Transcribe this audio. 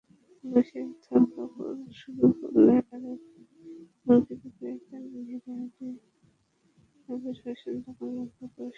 পুলিশের ধরপাকড় শুরু হলে আরেক মুরগিবিক্রেতা নবীর হোসেন দোকান বন্ধ করে সরে পড়েন।